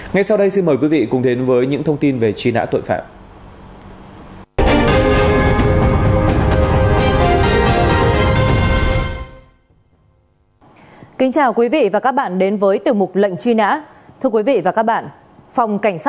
ngay sau đây xin mời quý vị cùng đến với những thông tin về truy nã tội phạm